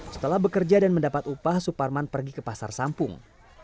setelah bekerja dan mendapat upah suparman pergi ke pasar sampung